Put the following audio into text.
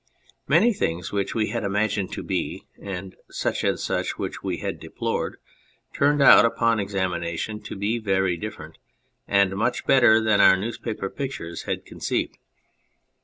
Many things which we had imagined to be such and such and which we had deplored, turned out upon examination to be very different, and much better than our newspaper picture had conceived.